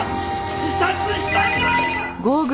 自殺したんだーっ！